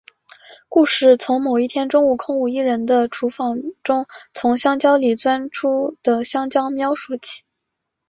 故事从某一天中午空无一人的厨房中从香蕉里钻出的香蕉喵说起。